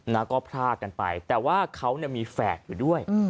นะก็พรากกันไปแต่ว่าเขามีแฝดอยู่ด้วย